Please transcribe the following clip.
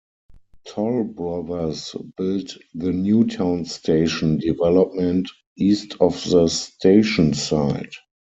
Toll Brothers built the "Newtown Station" development east of the station site.